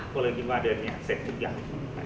ก็เลยคิดว่าเดือนนี้เสร็จทุกอย่าง